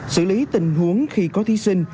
xử lý tình huống khi có thí sinh